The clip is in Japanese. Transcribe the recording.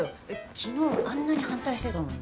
昨日あんなに反対してたのに。